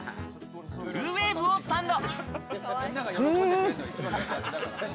ブルーウェーブをサンド。